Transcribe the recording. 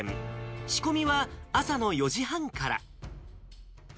仕込みは朝の４時半から。